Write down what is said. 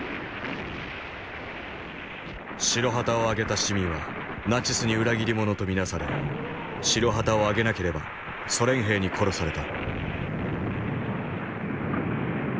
白旗を揚げた市民はナチスに裏切り者と見なされ白旗を揚げなければソ連兵に殺された。